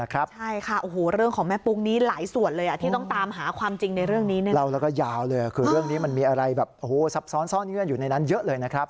คือเรื่องนี้มันมีอะไรสับซ้อนอยู่ในนั้นเยอะเลยนะครับ